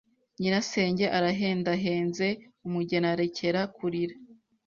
Nyirasenge arahendahenze umugeni arekera kurira